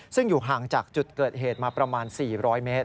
ซึ่งอยู่ห่างจากจุดเกิดเหตุมาประมาณ๔๐๐เมตร